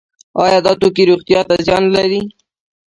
آیا دا توکي روغتیا ته زیان لري؟